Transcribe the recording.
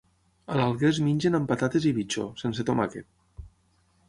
A l'Alguer es mengen amb patates i bitxo, sense tomàquet.